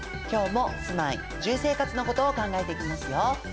今日も住まい住生活のことを考えていきますよ。